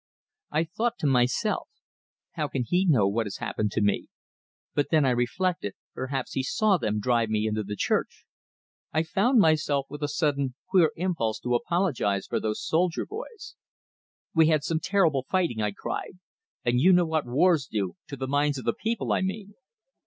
I thought to myself: how can he know what has happened to me? But then I reflected, perhaps he saw them drive me into the church! I found myself with a sudden, queer impulse to apologize for those soldier boys. "We had some terrible fighting," I cried. "And you know what wars do to the minds of the people, I mean."